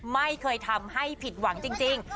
ไม่เคยทำให้ผิดหวังจริง